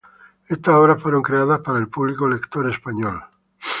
Estas obras fueron creadas para el público lector español.